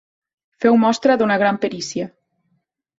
Feu mostra d'una gran perícia.